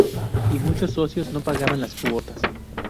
Y muchos socios no pagaban las cuotas.